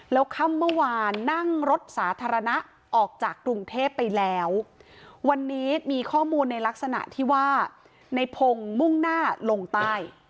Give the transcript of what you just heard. แล้วค่ำเมื่อวานนั่งรถสาธารณะออกจากกรุงเทพไปแล้ววันนี้มีข้อมูลในลักษณะที่ว่าในพงศ์มุ่งหน้าลงใต้